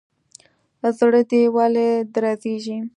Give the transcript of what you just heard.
زړه دي ولي درزيږي.